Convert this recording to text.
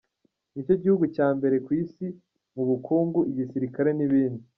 Ni cyo gihugu cya mbere ku Isi mu bukungu , igisirikare n’ ibindi.